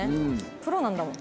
プロなんだもん。